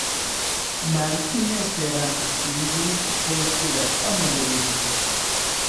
Martin esperantistiĝis post la dua mondmilito.